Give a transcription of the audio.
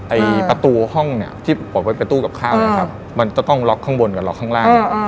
ประตูห้องเนี่ยที่เปิดไว้เป็นตู้กับข้าวนะครับมันจะต้องล็อกข้างบนกับล็อกข้างล่าง